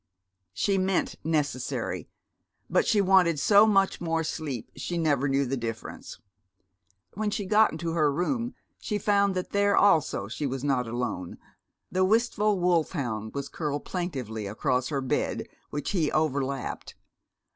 She meant "necessary," but she wanted so much more sleep she never knew the difference. When she got into her room she found that there also she was not alone: the wistful wolfhound was curled plaintively across her bed, which he overlapped.